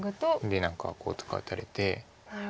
で何かこうとか打たれて。